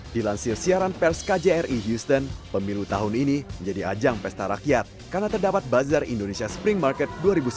dilansir siaran pers kjri houston pemilu tahun ini menjadi ajang pesta rakyat karena terdapat bazar indonesia spring market dua ribu sembilan belas